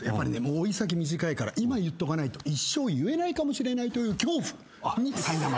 老い先短いから今言っとかないと一生言えないかもしれないという恐怖にさいなまれる。